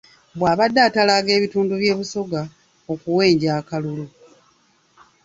Bw'abadde atalaaga ebitundu bya Busoga okuwenja akalulu.